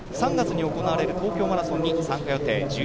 ３月に行われる東京マラソンに参加予定